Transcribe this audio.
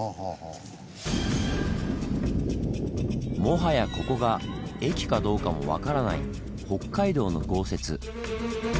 もはやここが駅かどうかも分からない北海道の豪雪。